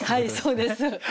そうです。